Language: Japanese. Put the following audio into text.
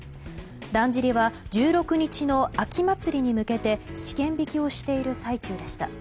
だんじりは１６日の秋祭りに向けて試験引きをしている最中でした。